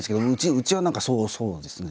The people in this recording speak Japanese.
うちは何かそうですね。